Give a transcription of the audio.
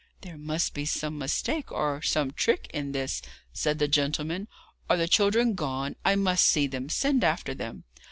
'There must be some mistake or some trick in this,' said the gentleman. 'Are the children gone? I must see them; send after them.'